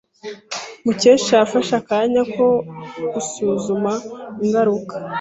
Mukesha yafashe akanya ko gusuzuma ingaruka.